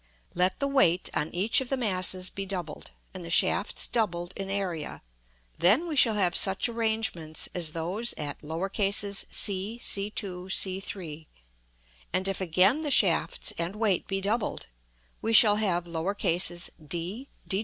Let the weight on each of the masses be doubled, and the shafts doubled in area, then we shall have such arrangements as those at c, c2, c3; and if again the shafts and weight be doubled, we shall have d, d2, d3.